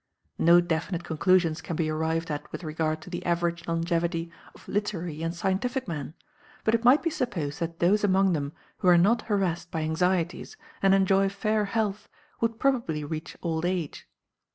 No definite conclusions can be arrived at with regard to the average longevity of literary and scientific men, but it might be supposed that those among them who are not harassed by anxieties and enjoy fair health would probably reach old age.